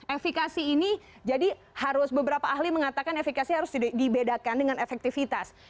efekasi ini jadi harus beberapa ahli mengatakan efekasi harus dibedakan dengan efektivitas